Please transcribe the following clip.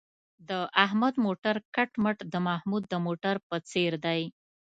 د احمد موټر کټ مټ د محمود د موټر په څېر دی.